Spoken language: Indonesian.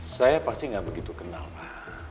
saya pasti nggak begitu kenal pak